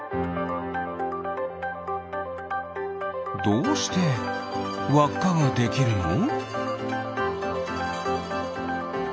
どうしてわっかができるの？